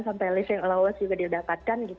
sampai list yang lowest juga didapatkan